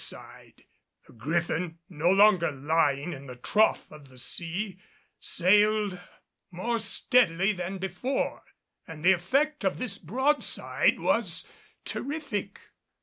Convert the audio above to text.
The Griffin, no longer lying in the trough of the sea, sailed more steadily than before, and the effect of this broadside was terrific.